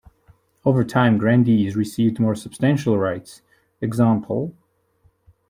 Over time grandees received more substantial rights: eg.